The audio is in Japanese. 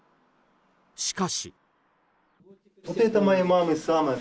しかし。